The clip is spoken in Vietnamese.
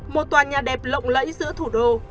một tòa nhà đẹp lộn lẫy giữa thủ đô